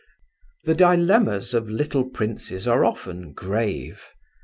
The dilemmas of little princes are often grave.